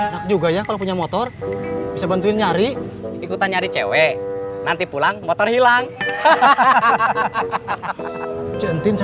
sekarang minta ditemenin suami saya